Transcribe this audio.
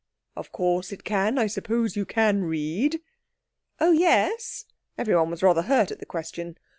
"Of course it can. I suppose you can read." "Oh yes!" Everyone was rather hurt at the question.